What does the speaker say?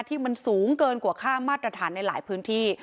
ที่มันสูงเกินกว่าค่ามาตรฐานในหลายพื้นที่